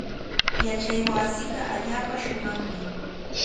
Yachaywasiiqa allaapa shumaqmi.